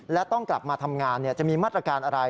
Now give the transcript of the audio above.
และต้องกลับมาทำงานจะมีมาตรการอะไร